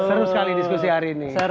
seru sekali diskusinya